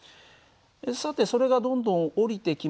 さてそれがどんどん下りてきました。